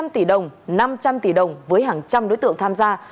ba trăm linh tỷ đồng năm trăm linh tỷ đồng với hàng trăm đối tượng tham gia